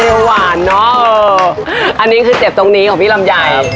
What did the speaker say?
หวานเนอะอันนี้คือเจ็บตรงนี้ของพี่ลำไย